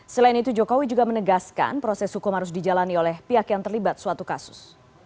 selain itu jokowi juga menegaskan proses hukum harus dijalani oleh pihak yang terlibat suatu kasus